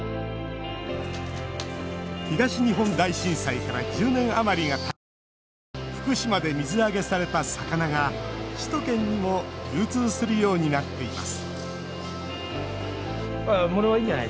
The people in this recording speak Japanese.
東日本大震災から１０年余りがたち福島で水揚げされた魚が首都圏にも流通するようになっています